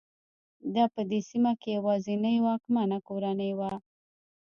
دا په دې سیمه کې یوازینۍ واکمنه کورنۍ وه.